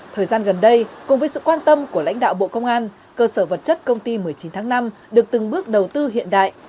thời gian gần đây cùng với sự quan tâm của lãnh đạo bộ công an cơ sở vật chất công ty một mươi chín tháng năm được từng bước đầu tư hiện đại